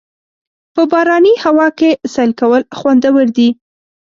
په باراني هوا کې سیل کول خوندور دي.